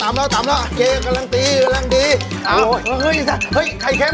อะไรต่อพริกพริกเอาหยิบสิหยิบสิเออเออใส่ไปหรือยังอ่า